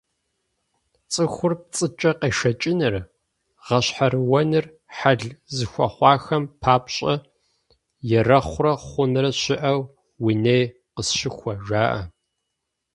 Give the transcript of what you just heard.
ЦӀыхур пцӀыкӀэ къешэкӀыныр, гъэщхьэрыуэныр хьэл зыхуэхъуахэм папщӏэ «Ерэхъурэ хъунрэ щыӀэу уи ней къысщыхуэ» жаӏэ.